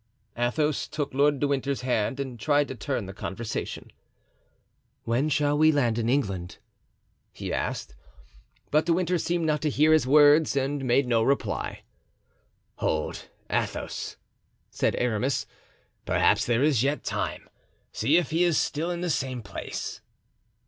Athos took Lord de Winter's hand and tried to turn the conversation. "When shall we land in England?" he asked; but De Winter seemed not to hear his words and made no reply. "Hold, Athos," said Aramis, "perhaps there is yet time. See if he is still in the same place."